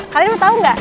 kalian tau gak